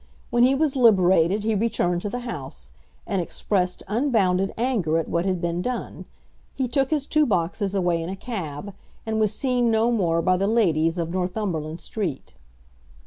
When he was liberated he returned to the house, and expressed unbounded anger at what had been done. He took his two boxes away in a cab, and was seen no more by the ladies of Northumberland Street.